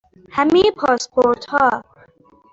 همه پاسپورت ها